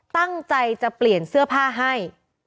ตั้งใจจะเปลี่ยนเสื้อผ้าให้